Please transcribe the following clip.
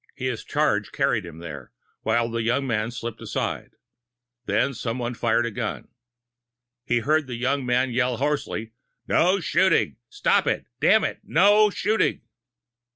His charge carried him there, while the young man slipped aside. Then someone fired a gun. He heard the young man yell hoarsely. "No shooting! Stop it! Damn it, NO SHOOTING!"